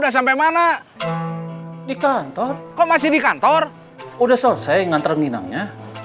sampai jumpa di video selanjutnya